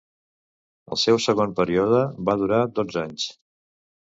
El seu segon període va durar dotze anys.